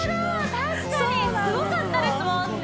確かにすごかったですもんね！